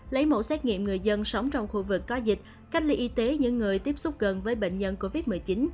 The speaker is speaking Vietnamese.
lấy mẫu xét nghiệm người dân sống trong khu vực có dịch cách ly y tế những người tiếp xúc gần với bệnh nhân covid một mươi chín